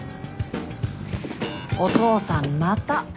お父さんまた。